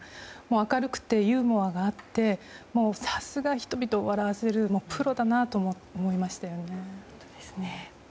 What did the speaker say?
明るくてユーモアがあってさすが人々を笑わせるプロだなと思いましたよね。